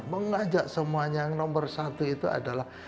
mengajak semuanya yang nomor satu itu adalah